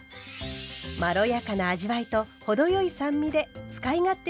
まろやかな味わいと程よい酸味で使い勝手のよいたれです。